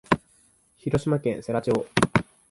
広島県世羅町